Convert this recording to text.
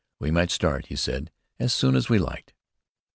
We might start, he said, as soon as we liked.